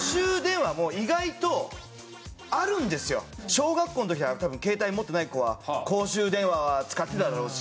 小学校の時とか多分携帯持ってない子は公衆電話は使ってただろうし。